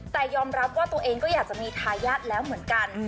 แต่ยอมรับว่าตัวเองก็อยากจะมีทายาทแล้วเหมือนกัน